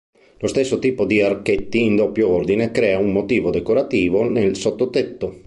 Lo stesso tipo di archetti in doppio ordine crea un motivo decorativo nel sottotetto.